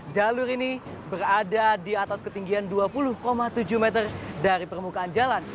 jalur ini berada di atas ketinggian dua puluh tujuh meter dari permukaan jalan